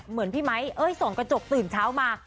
เหมือนพี่ไมค์ส่องกระจกตื่นเช้ามา